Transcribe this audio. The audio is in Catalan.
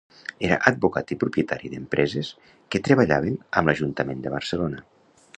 Era advocat i propietari d'empreses que treballaven amb l'Ajuntament de Barcelona.